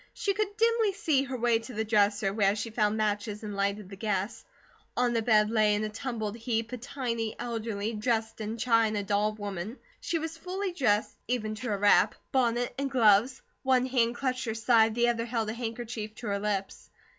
She could dimly see her way to the dresser, where she found matches and lighted the gas. On the bed lay in a tumbled heap a tiny, elderly, Dresden china doll woman. She was fully dressed, even to her wrap, bonnet, and gloves; one hand clutched her side, the other held a handkerchief to her lips.